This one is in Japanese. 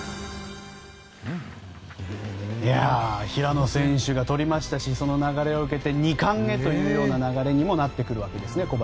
平野選手が取りましたしその流れを受けて２冠へというような流れにもなってくるわけですね。